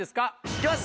いきます